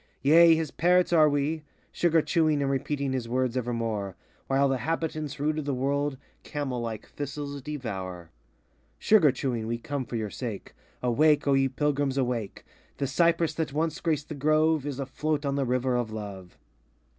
Yea, his parrots are we, sugar chewing And repeating his words evermore, While the habitants rude of the world Camel like thistles devour. Sugar chewing we come for your sake; Awake, O ye Pilgrims, awake! The cypress that once graced the grove, Is a float on the river of Love.